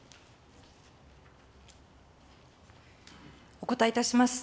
お答えいたします。